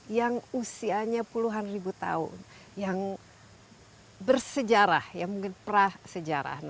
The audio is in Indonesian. yang usianya puluhan ribu tahun yang bersejarah ya mungkin prasejarah